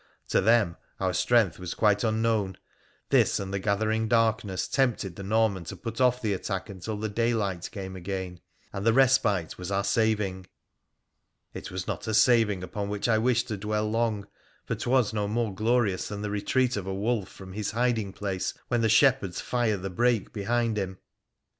To them our strength was quite unknown ; this and the gathering darkness tempted the Norman to put off the attack until the daylight came again, and the respite was our saving. It was not a saving upon which I wish to dwell long, for 'twas no more glorious than the retreat of a wolf from his hiding place when the shepherds fire the brake behind him.